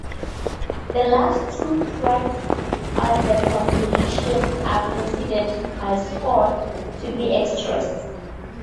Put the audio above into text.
The last two tracks on the compilation are considered by Scott to be "extras".